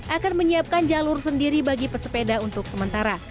akan menyiapkan jalur sendiri bagi pesepeda untuk sementara